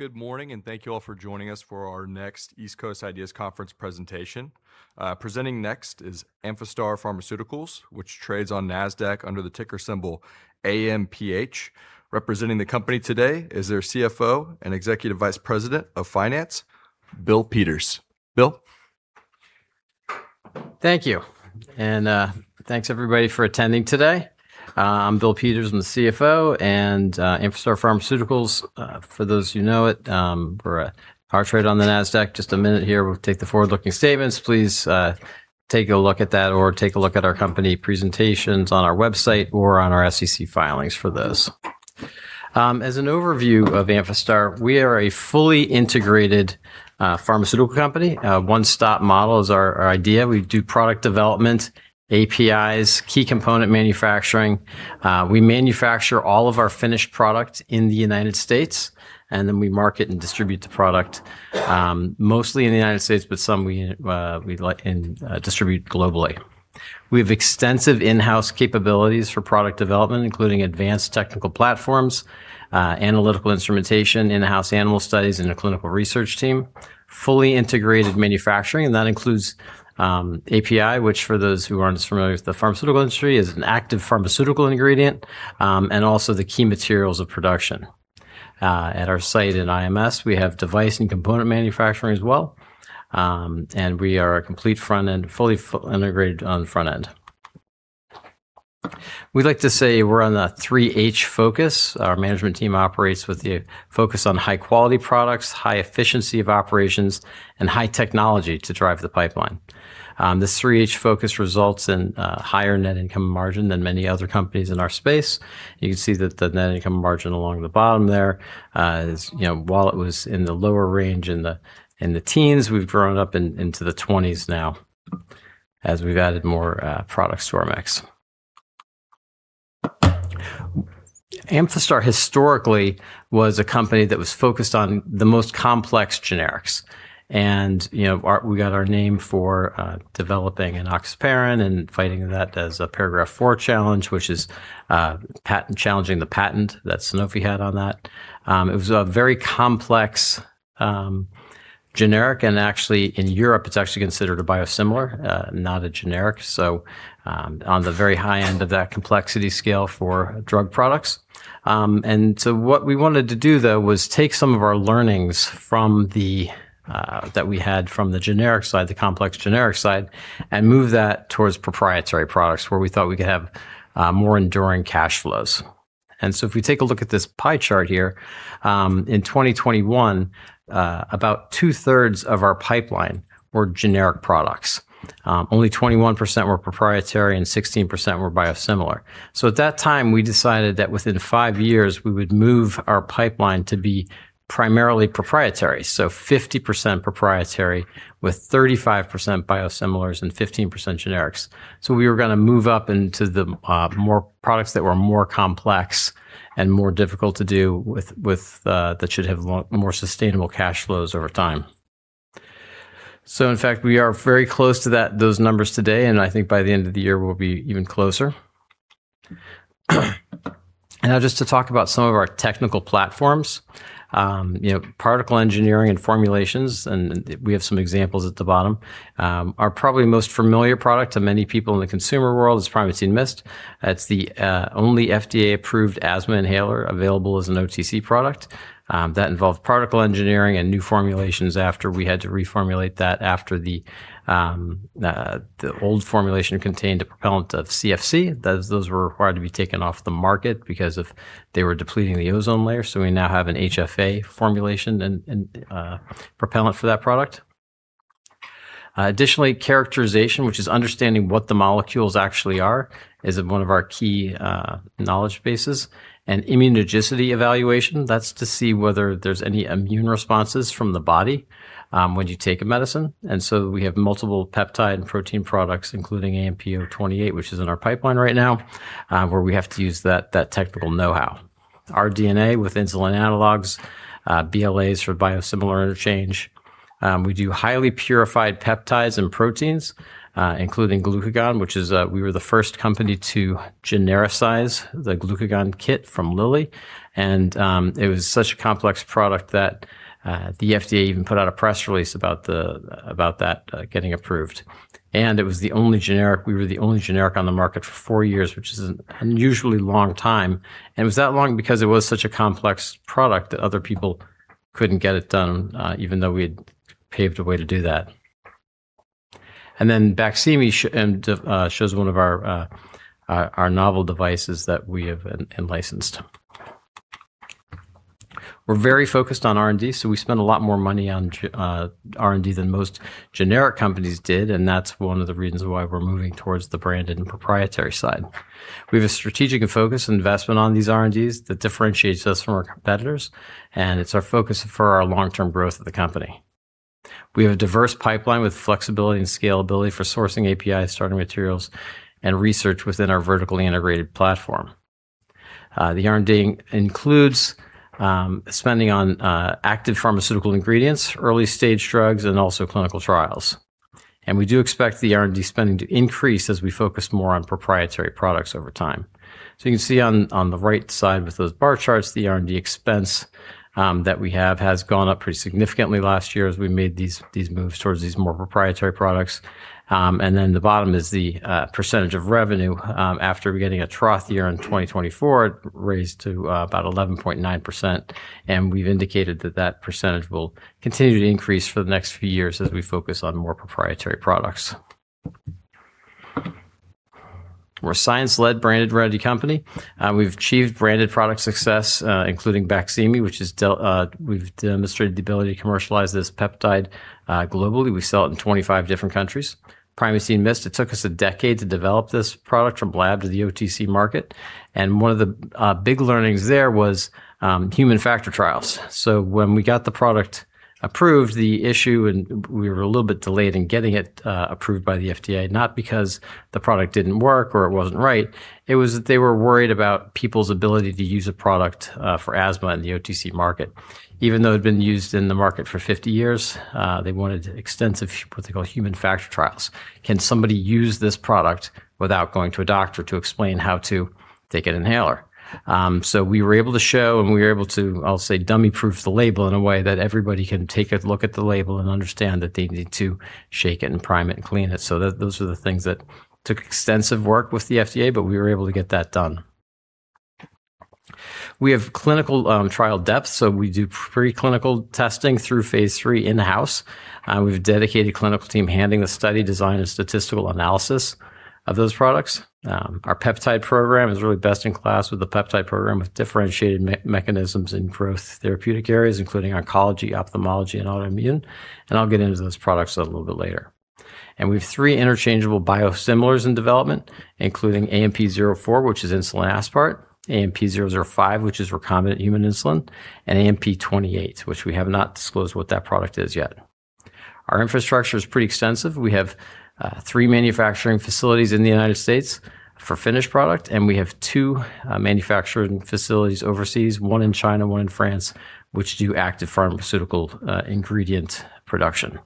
Good morning. Thank you all for joining us for our next East Coast IDEAS Conference presentation. Presenting next is Amphastar Pharmaceuticals, which trades on Nasdaq under the ticker symbol AMPH. Representing the company today is their CFO and Executive Vice President of Finance, Bill Peters. Bill. Thank you. Thanks everybody for attending today. I'm Bill Peters, I'm the CFO. Amphastar Pharmaceuticals, for those who know it, we're a hard trade on the Nasdaq. Just a minute here, we'll take the forward-looking statements. Please take a look at that or take a look at our company presentations on our website or on our SEC filings for those. As an overview of Amphastar, we are a fully integrated pharmaceutical company. A one-stop model is our idea. We do product development, APIs, key component manufacturing. We manufacture all of our finished product in the United States. Then we market and distribute the product, mostly in the United States, but some we distribute globally. We have extensive in-house capabilities for product development, including advanced technical platforms, analytical instrumentation, in-house animal studies, and a clinical research team. Fully integrated manufacturing. That includes API, which for those who aren't as familiar with the pharmaceutical industry, is an active pharmaceutical ingredient, also the key materials of production. At our site in IMS, we have device and component manufacturing as well. We are a complete front end, fully integrated on the front end. We'd like to say we're on the 3 H focus. Our management team operates with the focus on high quality products, high efficiency of operations, and high technology to drive the pipeline. This 3 H focus results in a higher net income margin than many other companies in our space. You can see that the net income margin along the bottom there is, while it was in the lower range in the teens, we've grown up into the 20s now as we've added more products to our mix. Amphastar historically was a company that was focused on the most complex generics. We got our name for developing enoxaparin and fighting that as a Paragraph IV challenge, which is challenging the patent that Sanofi had on that. It was a very complex generic. Actually, in Europe, it's actually considered a biosimilar, not a generic. On the very high end of that complexity scale for drug products. What we wanted to do, though, was take some of our learnings that we had from the generic side, the complex generic side, and move that towards proprietary products where we thought we could have more enduring cash flows. If we take a look at this pie chart here, in 2021, about 2/3 of our pipeline were generic products. Only 21% were proprietary and 16% were biosimilar. At that time, we decided that within five years, we would move our pipeline to be primarily proprietary. 50% proprietary with 35% biosimilars and 15% generics. We were going to move up into the products that were more complex and more difficult to do that should have more sustainable cash flows over time. In fact, we are very close to those numbers today, and I think by the end of the year, we'll be even closer. Just to talk about some of our technical platforms. Particle engineering and formulations, and we have some examples at the bottom. Our probably most familiar product to many people in the consumer world is Primatene MIST. That's the only FDA-approved asthma inhaler available as an OTC product. That involved particle engineering and new formulations after we had to reformulate that after the old formulation contained a propellant of CFC. Those were required to be taken off the market because they were depleting the ozone layer. We now have an HFA formulation and propellant for that product. Additionally, characterization, which is understanding what the molecules actually are, is one of our key knowledge bases. Immunogenicity evaluation, that's to see whether there's any immune responses from the body when you take a medicine. We have multiple peptide and protein products, including AMP-028, which is in our pipeline right now, where we have to use that technical know-how. Our DNA with insulin analogs, BLAs for biosimilar interchange. We do highly purified peptides and proteins, including glucagon, which is we were the first company to genericize the glucagon kit from Lilly. It was such a complex product that the FDA even put out a press release about that getting approved. We were the only generic on the market for four years, which is an unusually long time, and it was that long because it was such a complex product that other people couldn't get it done, even though we had paved a way to do that. BAQSIMI shows one of our novel devices that we have and licensed. We're very focused on R&D, so we spend a lot more money on R&D than most generic companies did, and that's one of the reasons why we're moving towards the branded and proprietary side. We have a strategic focus on investment on these R&Ds that differentiates us from our competitors, and it's our focus for our long-term growth of the company. We have a diverse pipeline with flexibility and scalability for sourcing APIs, starting materials, and research within our vertically integrated platform. The R&D includes spending on active pharmaceutical ingredients, early-stage drugs, and also clinical trials. We do expect the R&D spending to increase as we focus more on proprietary products over time. You can see on the right side with those bar charts, the R&D expense that we have has gone up pretty significantly last year as we made these moves towards these more proprietary products. The bottom is the percentage of revenue after getting a trough year in 2024, it raised to about 11.9%, and we've indicated that that percentage will continue to increase for the next few years as we focus on more proprietary products. We're a science-led branded ready company. We've achieved branded product success, including BAQSIMI, which we've demonstrated the ability to commercialize this peptide globally. We sell it in 25 different countries. Primatene MIST, it took us a decade to develop this product from lab to the OTC market, and one of the big learnings there was human factor trials. When we got the product approved, the issue, and we were a little bit delayed in getting it approved by the FDA, not because the product didn't work or it wasn't right, it was that they were worried about people's ability to use a product for asthma in the OTC market. Even though it had been used in the market for 50 years, they wanted extensive, what they call human factor trials. Can somebody use this product without going to a doctor to explain how to take an inhaler? We were able to show, and we were able to, I'll say dummy proof the label in a way that everybody can take it, look at the label, and understand that they need to shake it and prime it and clean it. Those are the things that took extensive work with the FDA, but we were able to get that done. We have clinical trial depth, so we do preclinical testing through phase III in-house. We have a dedicated clinical team handling the study design and statistical analysis of those products. Our peptide program is really best in class with a peptide program with differentiated mechanisms in growth therapeutic areas, including oncology, ophthalmology, and autoimmune, and I'll get into those products a little bit later. We've three interchangeable biosimilars in development, including AMP-004, which is insulin aspart, AMP-005, which is recombinant human insulin, and AMP-028, which we have not disclosed what that product is yet. Our infrastructure is pretty extensive. We have three manufacturing facilities in the United States for finished product, and we have two manufacturing facilities overseas, one in China, one in France, which do active pharmaceutical ingredient production.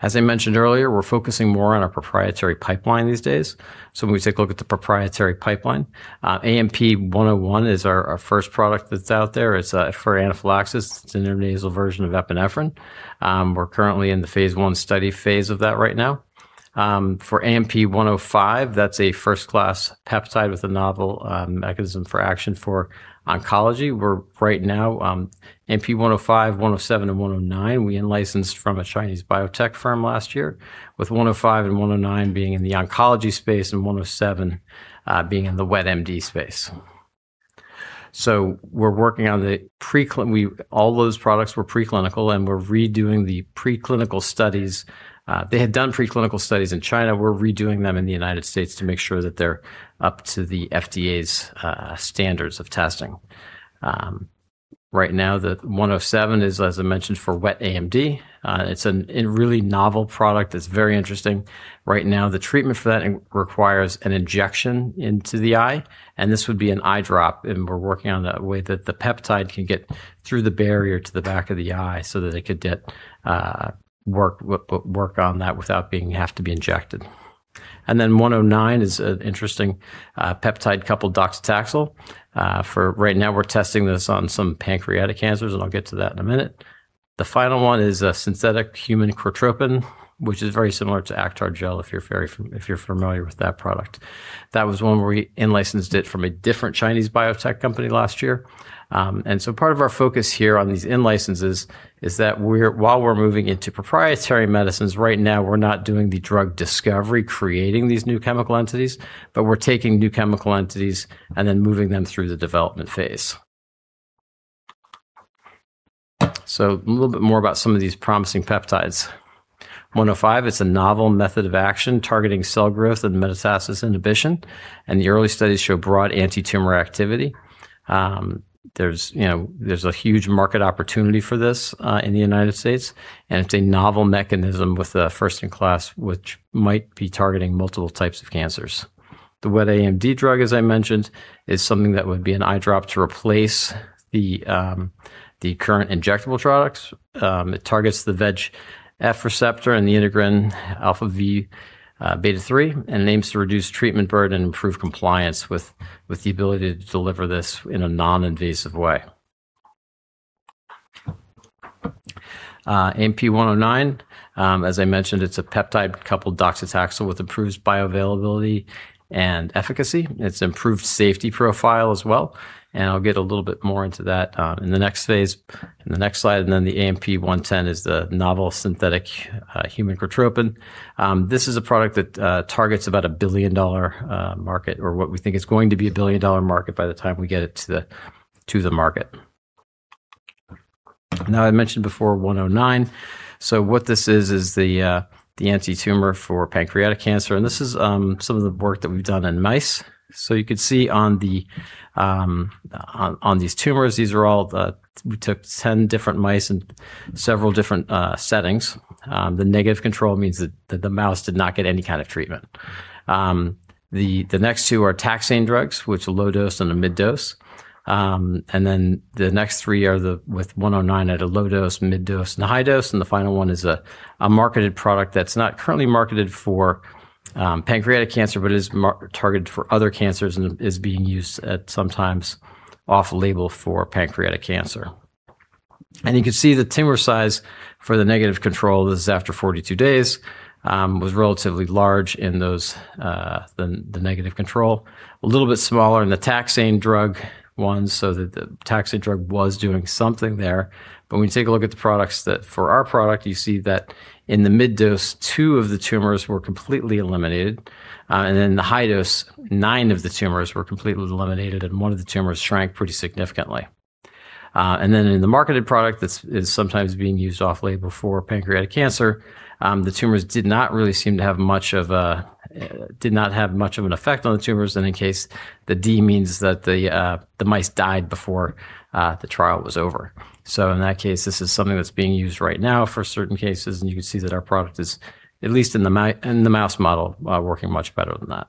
As I mentioned earlier, we're focusing more on our proprietary pipeline these days. When we take a look at the proprietary pipeline, AMP-101 is our first product that's out there. It's for anaphylaxis. It's an intranasal version of epinephrine. We're currently in the phase I study phase of that right now. For AMP-105, that's a first-class peptide with a novel mechanism for action for oncology. We're right now, AMP-105, 107, and 109, we in-licensed from a Chinese biotech firm last year, with 105 and 109 being in the oncology space and 107 being in the wet AMD space. All those products were preclinical, and we're redoing the preclinical studies. They had done preclinical studies in China. We're redoing them in the United States to make sure that they're up to the FDA's standards of testing. Right now, the 107 is, as I mentioned, for wet AMD. It's a really novel product that's very interesting. Right now, the treatment for that requires an injection into the eye, and this would be an eye drop, and we're working on the way that the peptide can get through the barrier to the back of the eye so that they could get work on that without have to be injected. 109 is an interesting peptide coupled docetaxel. Right now, we're testing this on some pancreatic cancers, and I'll get to that in a minute. The final one is a synthetic human corticotropin, which is very similar to Acthar Gel, if you're familiar with that product. That was one where we in-licensed it from a different Chinese biotech company last year. Part of our focus here on these in-licenses is that while we're moving into proprietary medicines right now, we're not doing the drug discovery, creating these new chemical entities, but we're taking new chemical entities and then moving them through the development phase. A little bit more about some of these promising peptides. 105, it's a novel method of action targeting cell growth and metastasis inhibition, and the early studies show broad anti-tumor activity. There's a huge market opportunity for this in the U.S. It's a novel mechanism with a first in class, which might be targeting multiple types of cancers. The wet AMD drug, as I mentioned, is something that would be an eye drop to replace the current injectable products. It targets the VEGF receptor and the integrin alpha v beta 3, and it aims to reduce treatment burden and improve compliance with the ability to deliver this in a non-invasive way. AMP-109, as I mentioned, it's a peptide coupled docetaxel with improved bioavailability and efficacy. It's improved safety profile as well. I'll get a little bit more into that in the next slide. The AMP-110 is the novel synthetic human corticotropin. This is a product that targets about a $1 billion market, or what we think is going to be a $1 billion market by the time we get it to the market. Now, I mentioned before 109. What this is the anti-tumor for pancreatic cancer, and this is some of the work that we've done in mice. You could see on these tumors, we took 10 different mice in several different settings. The negative control means that the mouse did not get any kind of treatment. The next two are taxane drugs, which are low dose and a mid dose. The next three are with 109 at a low dose, mid dose, and a high dose. The final one is a marketed product that's not currently marketed for pancreatic cancer, but is targeted for other cancers, and is being used at sometimes off-label for pancreatic cancer. You can see the tumor size for the negative control, this is after 42 days, was relatively large in the negative control. A little bit smaller in the taxane drug one, so the taxane drug was doing something there. When you take a look at the products, for our product, you see that in the mid dose, two of the tumors were completely eliminated. In the high dose, nine of the tumors were completely eliminated, and one of the tumors shrank pretty significantly. In the marketed product that is sometimes being used off-label for pancreatic cancer, it did not have much of an effect on the tumors. In any case, the D means that the mice died before the trial was over. In that case, this is something that's being used right now for certain cases, and you can see that our product is, at least in the mouse model, working much better than that.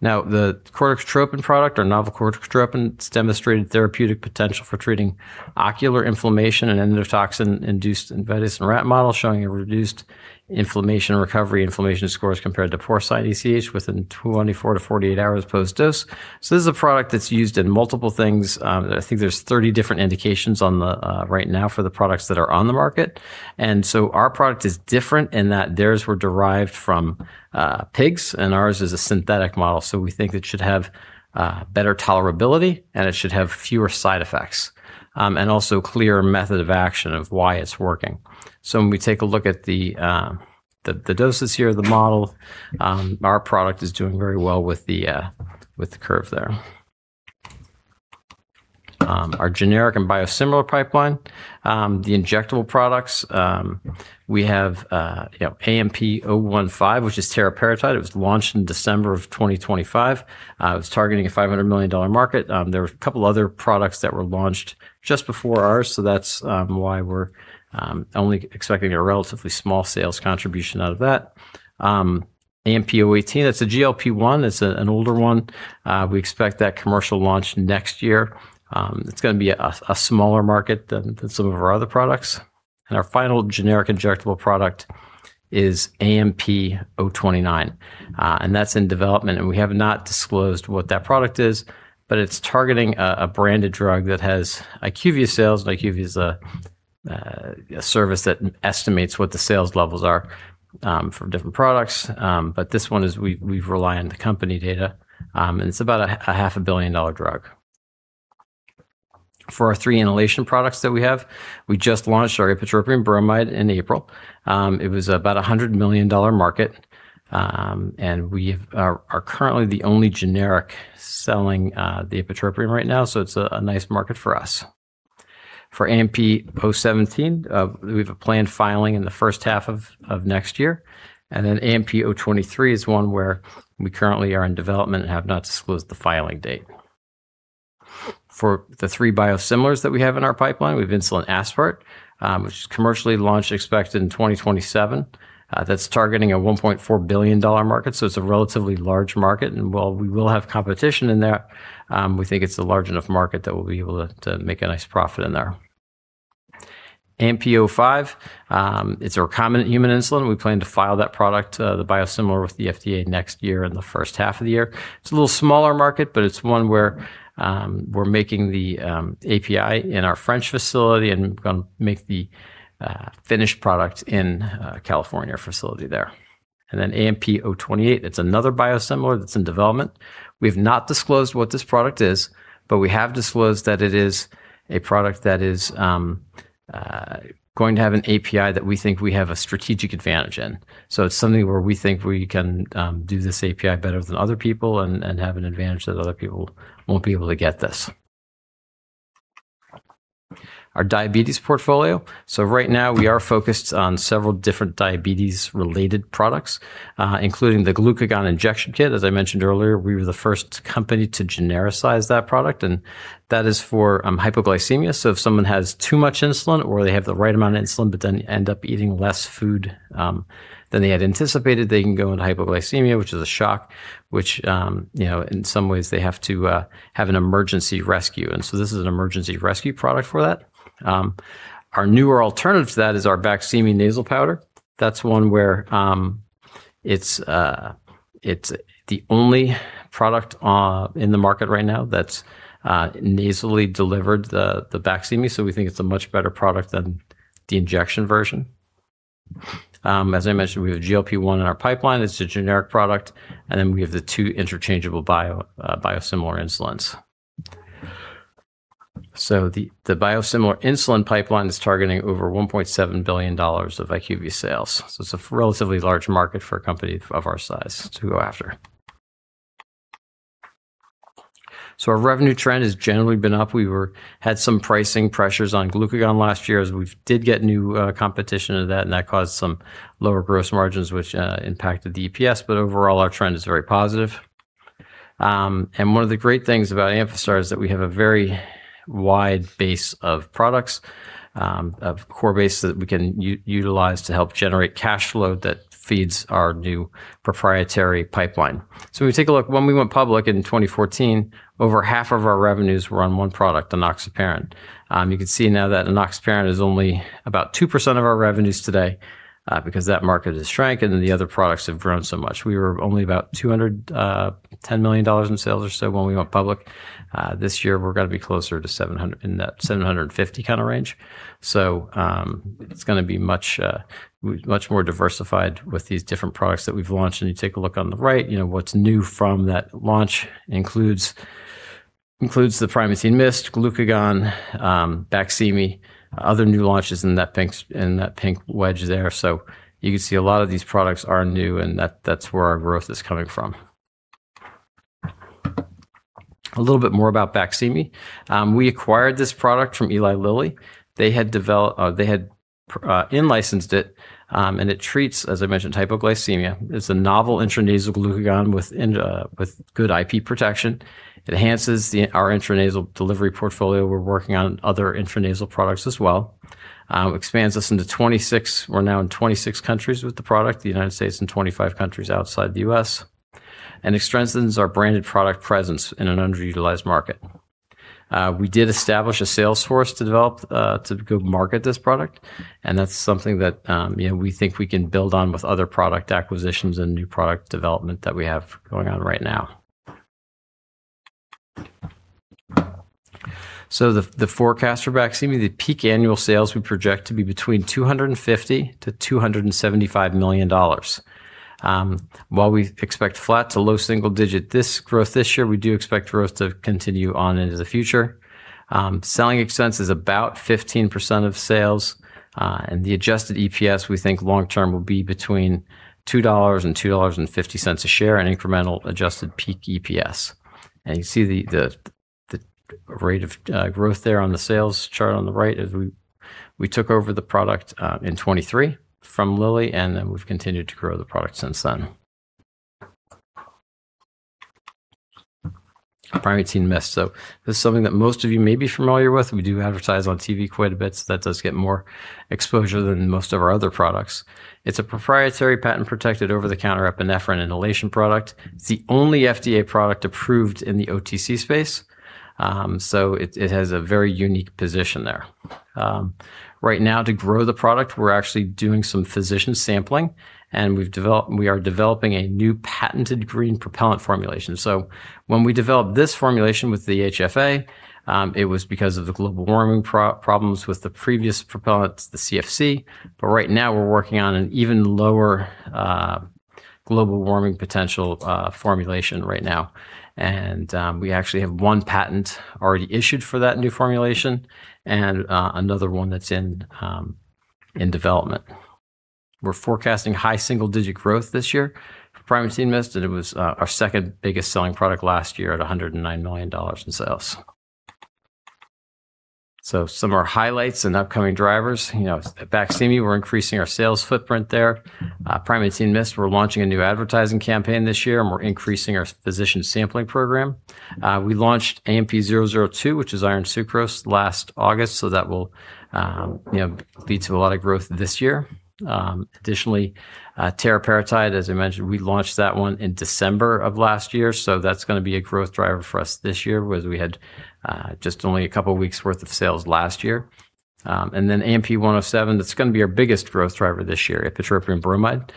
The corticotropin product, or novel corticotropin, it's demonstrated therapeutic potential for treating ocular inflammation and endotoxin-induced uveitis in rat models, showing a reduced inflammation recovery, inflammation scores compared to porcine ACTH within 24 hours-48 hours post-dose. This is a product that's used in multiple things. I think there's 30 different indications right now for the products that are on the market. Our product is different in that theirs were derived from pigs and ours is a synthetic model, so we think it should have better tolerability and it should have fewer side effects, and also clearer method of action of why it's working. When we take a look at the doses here of the model, our product is doing very well with the curve there. Our generic and biosimilar pipeline, the injectable products, we have AMP-015, which is teriparatide. It was launched in December of 2025. It was targeting a $500 million market. There were a couple of other products that were launched just before ours, so that's why we're only expecting a relatively small sales contribution out of that. AMP-018, that's a GLP-1, that's an older one. We expect that commercial launch next year. It's going to be a smaller market than some of our other products. Our final generic injectable product is AMP-029. That's in development, and we have not disclosed what that product is, but it's targeting a branded drug that has IQVIA sales, and IQVIA is a service that estimates what the sales levels are for different products, but this one we've relied on the company data. It's about a half a billion dollar drug. For our three inhalation products that we have, we just launched our ipratropium bromide in April. It was about a $100 million market, and we are currently the only generic selling the ipratropium right now, so it's a nice market for us. For AMP-017, we have a planned filing in the first half of next year. AMP-023 is one where we currently are in development and have not disclosed the filing date. For the three biosimilars that we have in our pipeline, we have insulin aspart, which is commercially launch expected in 2027. That's targeting a $1.4 billion market, so it's a relatively large market. While we will have competition in there, we think it's a large enough market that we'll be able to make a nice profit in there. AMP-005, it's a recombinant human insulin. We plan to file that product, the biosimilar, with the FDA next year in the first half of the year. It's a little smaller market, but it's one where we're making the API in our French facility and going to make the finished product in California facility there. AMP-028, it's another biosimilar that's in development. We've not disclosed what this product is, but we have disclosed that it is a product that is going to have an API that we think we have a strategic advantage in. It's something where we think we can do this API better than other people and have an advantage that other people won't be able to get this. Our diabetes portfolio. Right now we are focused on several different diabetes-related products, including the glucagon injection kit. As I mentioned earlier, we were the first company to genericize that product, and that is for hypoglycemia. If someone has too much insulin, or they have the right amount of insulin but then end up eating less food than they had anticipated, they can go into hypoglycemia, which is a shock, which in some ways they have to have an emergency rescue. This is an emergency rescue product for that. Our newer alternative to that is our BAQSIMI nasal powder. That's one where it's the only product in the market right now that's nasally delivered, the BAQSIMI, we think it's a much better product than the injection version. As I mentioned, we have a GLP-1 in our pipeline. It's a generic product. We have the two interchangeable biosimilar insulins. The biosimilar insulin pipeline is targeting over $1.7 billion of IQVIA sales. It's a relatively large market for a company of our size to go after. Our revenue trend has generally been up. We had some pricing pressures on glucagon last year, as we did get new competition of that, and that caused some lower gross margins, which impacted the EPS, but overall, our trend is very positive. One of the great things about Amphastar is that we have a very wide base of products, of core base that we can utilize to help generate cash flow that feeds our new proprietary pipeline. When we take a look, when we went public in 2014, over half of our revenues were on one product, enoxaparin. You can see now that enoxaparin is only about 2% of our revenues today, because that market has shrank and the other products have grown so much. We were only about $210 million in sales or so when we went public. This year we're going to be closer to 700, in that 750 kind of range. It's going to be much more diversified with these different products that we've launched. You take a look on the right, what's new from that launch includes the Primatene MIST, glucagon, BAQSIMI, other new launches in that pink wedge there. You can see a lot of these products are new and that's where our growth is coming from. A little bit more about BAQSIMI. We acquired this product from Eli Lilly. They had in-licensed it, and it treats, as I mentioned, hypoglycemia. It's a novel intranasal glucagon with good IP protection. It enhances our intranasal delivery portfolio. We're working on other intranasal products as well. Expands us into 26 countries with the product, the U.S. and 25 countries outside the U.S., and extends our branded product presence in an underutilized market. We did establish a sales force to go to market this product, that's something that we think we can build on with other product acquisitions and new product development that we have going on right now. The forecast for BAQSIMI, the peak annual sales we project to be between $250 million-$275 million. While we expect flat to low single-digit growth this year, we do expect growth to continue on into the future. Selling expense is about 15% of sales. The adjusted EPS, we think long term will be between $2 and $2.50 a share in incremental adjusted peak EPS. You see the rate of growth there on the sales chart on the right as we took over the product in 2023 from Lilly, we've continued to grow the product since then. Primatene MIST, this is something that most of you may be familiar with. We do advertise on TV quite a bit, that does get more exposure than most of our other products. It's a proprietary patent-protected over-the-counter epinephrine inhalation product. It's the only FDA product approved in the OTC space. It has a very unique position there. Right now to grow the product, we're actually doing some physician sampling, we are developing a new patented green propellant formulation. When we developed this formulation with the HFA, it was because of the global warming problems with the previous propellant, the CFC. Right now we're working on an even lower global warming potential formulation right now. We actually have one patent already issued for that new formulation and another one that's in development. We're forecasting high single-digit growth this year for Primatene MIST, it was our second biggest selling product last year at $109 million in sales. Some of our highlights and upcoming drivers. BAQSIMI, we're increasing our sales footprint there. Primatene MIST, we're launching a new advertising campaign this year, we're increasing our physician sampling program. We launched AMP-002, which is iron sucrose, last August, that will lead to a lot of growth this year. Additionally, teriparatide, as I mentioned, we launched that one in December of last year, that's going to be a growth driver for us this year, whereas we had just only a couple of weeks worth of sales last year. AMP-107, that's going to be our biggest growth driver this year, ipratropium bromide.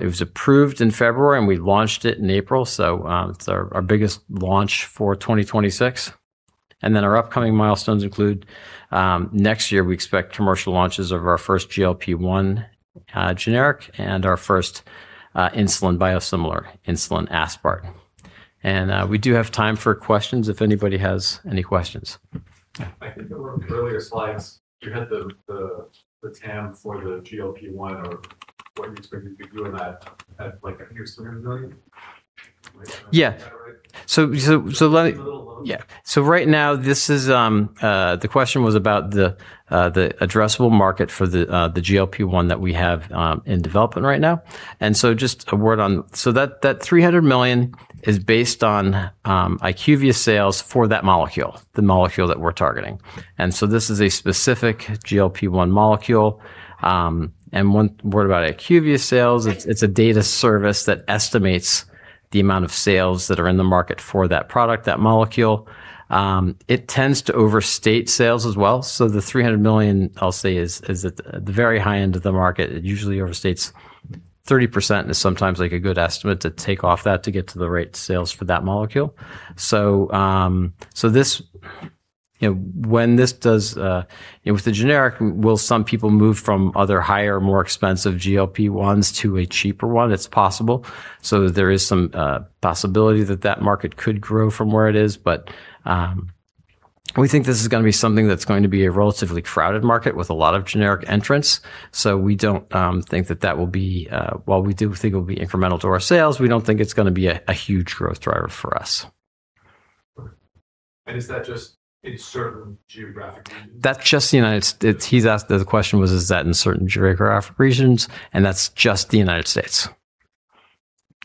It was approved in February, we launched it in April. It's our biggest launch for 2026. Our upcoming milestones include, next year, we expect commercial launches of our first GLP-1 generic and our first insulin biosimilar, insulin aspart. We do have time for questions if anybody has any questions. I think on earlier slides, you had the TAM for the GLP-1 or what you expect it to be doing at like at near $300 million? Yeah. Is that right? Is it a little low? Yeah. Right now the question was about the addressable market for the GLP-1 that we have in development right now. That $300 million is based on IQVIA sales for that molecule, the molecule that we're targeting. This is a specific GLP-1 molecule. One word about IQVIA sales, it's a data service that estimates the amount of sales that are in the market for that product, that molecule. It tends to overstate sales as well. The $300 million, I'll say, is at the very high end of the market. It usually overstates 30% is sometimes like a good estimate to take off that to get to the right sales for that molecule. When this does, with the generic, will some people move from other higher, more expensive GLP-1s to a cheaper one? It's possible. There is some possibility that that market could grow from where it is. We think this is going to be something that's going to be a relatively crowded market with a lot of generic entrants. While we do think it will be incremental to our sales, we don't think it's going to be a huge growth driver for us. Is that just in certain geographic regions? The question was is that in certain geographic regions, that's just the United States.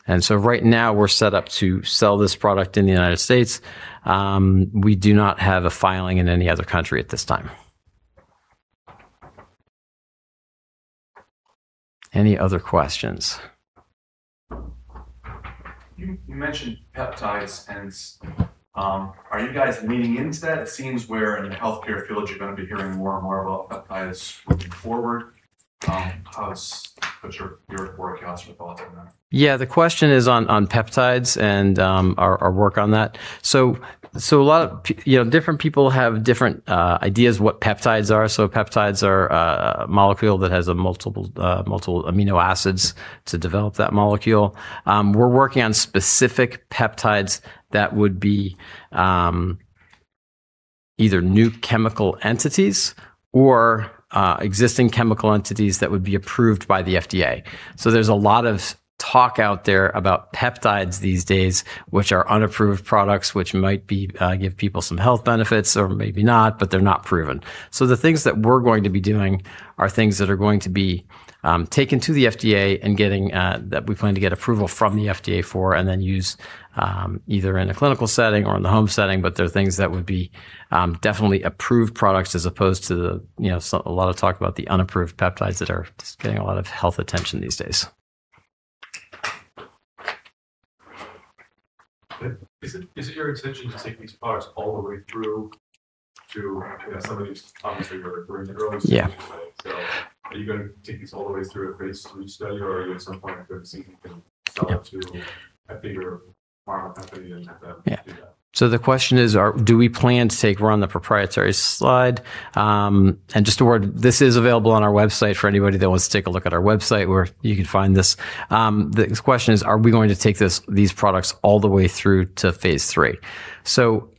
Right now we're set up to sell this product in the United States. We do not have a filing in any other country at this time. Any other questions? You mentioned peptides, are you guys leaning into that? It seems where in the healthcare field you're going to be hearing more and more about peptides moving forward. What's your forecasts or thoughts on that? Yeah, the question is on peptides and our work on that. Different people have different ideas what peptides are. Peptides are a molecule that has multiple amino acids to develop that molecule. We're working on specific peptides that would be either new chemical entities or existing chemical entities that would be approved by the FDA. There's a lot of talk out there about peptides these days, which are unapproved products, which might give people some health benefits or maybe not, but they're not proven. The things that we're going to be doing are things that are going to be taken to the FDA and that we plan to get approval from the FDA for, and then use either in a clinical setting or in the home setting. They're things that would be definitely approved products as opposed to a lot of talk about the unapproved peptides that are getting a lot of health attention these days. Is it your intention to take these products all the way through to, obviously you're referring to early stage. Yeah. Are you going to take these all the way through a phase III study, or are you at some point going to see if you can sell it to a bigger pharma company and have them do that? The question is, do we plan to take, we're on the proprietary slide, and just a word, this is available on our website for anybody that wants to take a look at our website, where you can find this. The question is, are we going to take these products all the way through to phase III?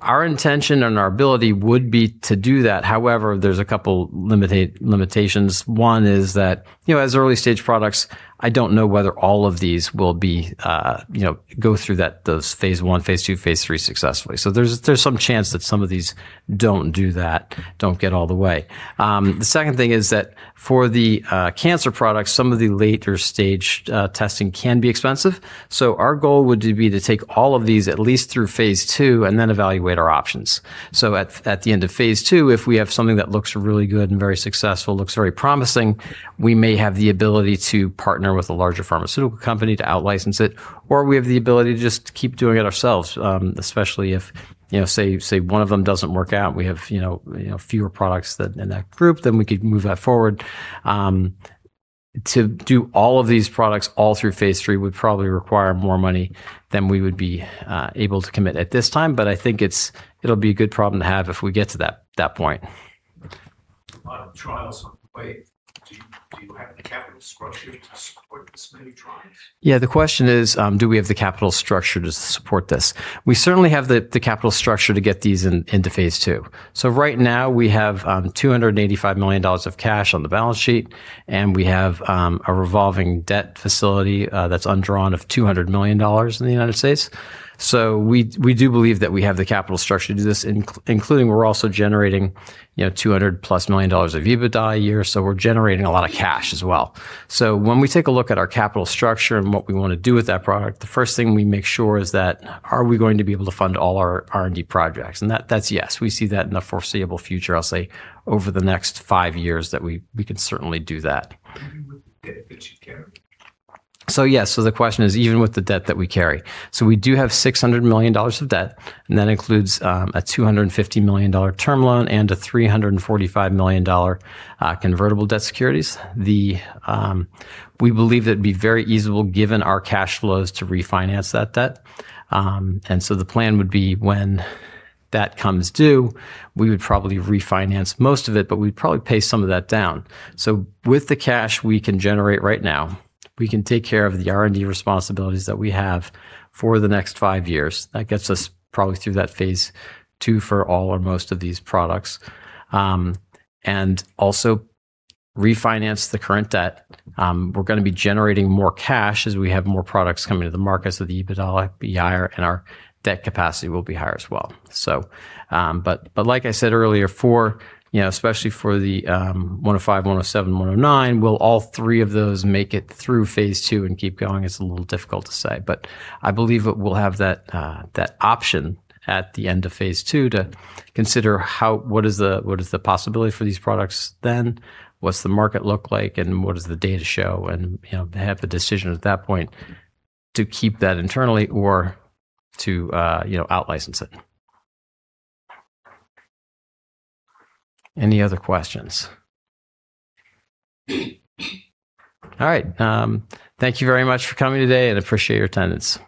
Our intention and our ability would be to do that. However, there's a couple limitations. One is that, as early stage products, I don't know whether all of these will go through those phase I, phase II, phase III successfully. There's some chance that some of these don't do that, don't get all the way. The second thing is that for the cancer products, some of the later stage testing can be expensive. Our goal would be to take all of these at least through phase II and then evaluate our options. At the end of phase II, if we have something that looks really good and very successful, looks very promising, we may have the ability to partner with a larger pharmaceutical company to out-license it, or we have the ability to just keep doing it ourselves. Especially if, say one of them doesn't work out, we have fewer products in that group, we could move that forward. To do all of these products all through phase III would probably require more money than we would be able to commit at this time. I think it'll be a good problem to have if we get to that point. A lot of trials on the way. Do you have the capital structure to support this many trials? The question is, do we have the capital structure to support this? We certainly have the capital structure to get these into phase II. Right now we have $285 million of cash on the balance sheet, and we have a revolving debt facility that's undrawn of $200 million in the United States. We do believe that we have the capital structure to do this, including we're also generating $200 million+ of EBITDA a year, we're generating a lot of cash as well. When we take a look at our capital structure and what we want to do with that product, the first thing we make sure is that, are we going to be able to fund all our R&D projects? That's yes. We see that in the foreseeable future, I'll say over the next five years that we can certainly do that. Even with the debt that you carry? Yes. The question is, even with the debt that we carry. We do have $600 million of debt, and that includes a $250 million term loan and a $345 million convertible debt securities. We believe that it'd be very easable, given our cash flows, to refinance that debt. The plan would be when that comes due, we would probably refinance most of it, but we'd probably pay some of that down. With the cash we can generate right now, we can take care of the R&D responsibilities that we have for the next five years. That gets us probably through that phase II for all or most of these products. Also refinance the current debt. We're going to be generating more cash as we have more products coming to the market, the EBITDA will be higher and our debt capacity will be higher as well. Like I said earlier, especially for the 105, 107, and 109, will all three of those make it through phase II and keep going? It's a little difficult to say. I believe we'll have that option at the end of phase II to consider what is the possibility for these products then, what's the market look like, and what does the data show, and have the decision at that point to keep that internally or to out-license it. Any other questions? All right. Thank you very much for coming today and appreciate your attendance.